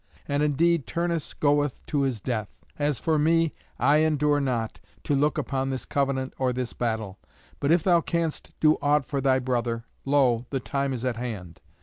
And indeed Turnus goeth to his death. As for me, I endure not to look upon this covenant or this battle. But if thou canst do aught for thy brother, lo! the time is at hand."